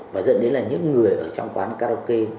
và dẫn đến là những người ở trong quán karaoke